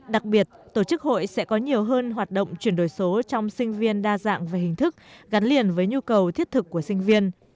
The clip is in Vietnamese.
đặc biệt tổ chức hội sẽ có nhiều hơn hoạt động chuyển đổi số trong sinh viên đa dạng về hình thức gắn liền với nhu cầu thiết thực của sinh viên